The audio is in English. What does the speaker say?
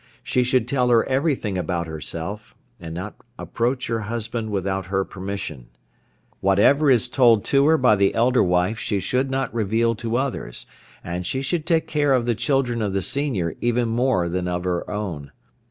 She should tell her everything about herself, and not approach her husband without her permission. Whatever is told to her by the elder wife she should not reveal to others, and she should take care of the children of the senior even more than of her own.